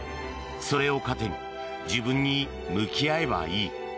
それを糧に自分に向き合えばいい。